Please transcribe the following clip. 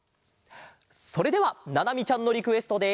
それではななみちゃんのリクエストで。